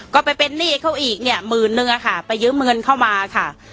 ก็ไปเป็นหนี้เขาอีกเนี่ยหมื่นนึงอะค่ะไปยืมเงินเข้ามาค่ะ